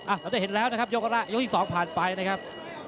เราจะเห็นแล้วนะครับยกแรกยกที่๒ผ่านไปนะครับ